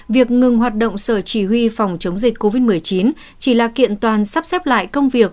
việc ngừng hoạt động sở chỉ huy phòng chống dịch covid một mươi chín chỉ là kiện toàn sắp xếp lại công việc